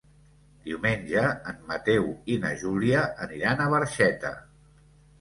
Diumenge en Mateu i na Júlia aniran a Barxeta.